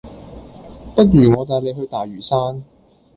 不如我帶你去大嶼山